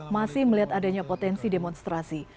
masih melihat adanya potensi demonstrasi